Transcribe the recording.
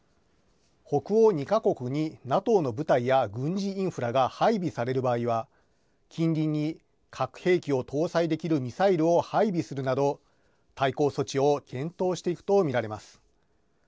北欧２か国にＮＡＴＯの部隊や軍事インフラが配備される場合は、近隣に核兵器を搭載できるミサイルを配備するなど、対抗措置を検討していくと見られます。